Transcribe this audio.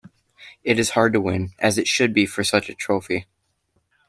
It is hard to win, as it should be for such a trophy.